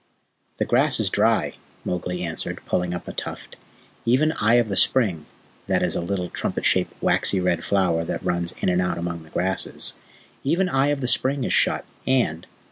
"The grass is dry," Mowgli answered, pulling up a tuft. "Even Eye of the Spring [that is a little trumpet shaped, waxy red flower that runs in and out among the grasses] even Eye of the Spring is shut, and...